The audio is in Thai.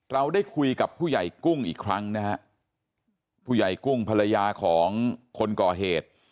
เราได้คุยกับผู้ใหญ่กุ้งอีกครั้งนะฮะผู้ใหญ่กุ้งภรรยาของคนก่อเหตุ